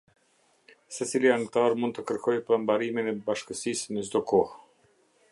Secili anëtar mund të kërkojë mbarimin e bashkësisë në çdo kohë.